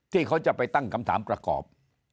ที่เขาจะไปตั้งคำถามประกอบ